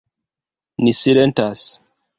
Ni silentas.